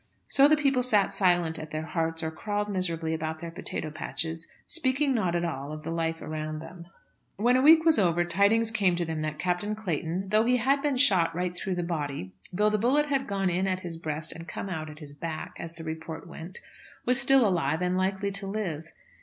So the people sat silent at their hearths, or crawled miserably about their potato patches, speaking not at all of the life around them. When a week was over, tidings came to them that Captain Clayton, though he had been shot right through the body, though the bullet had gone in at his breast and come out at his back, as the report went, was still alive, and likely to live.